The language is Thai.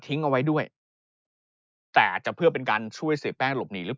ทิ้งเอาไว้ด้วยแต่จะเพื่อเป็นการช่วยเสียแป้งหลบหนีหรือ